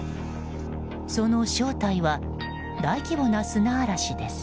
その正体は大規模な砂嵐です。